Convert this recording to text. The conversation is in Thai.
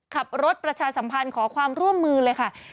ขับรถประชาสัมพันธ์ขอความร่วมมือเลยค่ะ